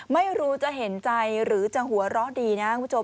ไม่รู้จะเห็นใจหรือจะหัวเราะดีนะครับคุณผู้ชม